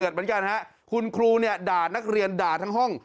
เหมือนกันฮะคุณครูเนี่ยด่านักเรียนด่าทั้งห้อง